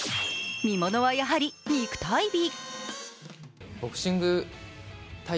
見ものはやはり肉体美。